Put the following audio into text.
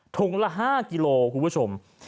ถุงละ๕กิโลคุณผู้ชม